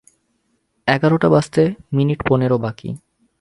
এগারোটা বাজতে মিনিট পনেরো বাকি।